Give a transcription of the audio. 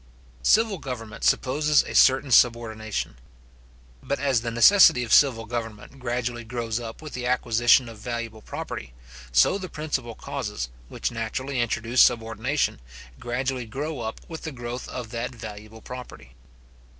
Civil government supposes a certain subordination. But as the necessity of civil government gradually grows up with the acquisition of valuable property; so the principal causes, which naturally introduce subordination, gradually grow up with the growth of that valuable property.